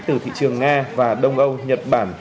từ thị trường nga và đông âu nhật bản